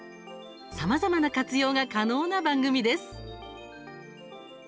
さまざまな活用が可能な番組です。